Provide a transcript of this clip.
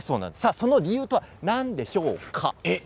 その理由は何でしょうか。